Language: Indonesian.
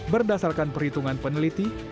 berdasarkan perhitungan peneliti